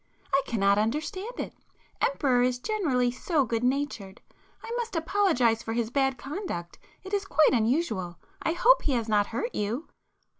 I cannot understand it. Emperor is generally so good natured,—I must apologize for his bad conduct—it is quite unusual. I hope he has not hurt you?"